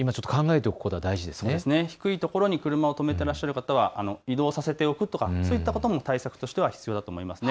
低いところに車を止めていらっしゃる方は移動させておくなど、そういったことも対策としては必要だと思います。